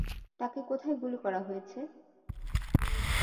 তাকে কোথায় গুলি করা হয়েছে?